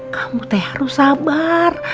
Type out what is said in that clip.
kamu teh harus sabar